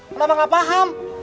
kenapa gak paham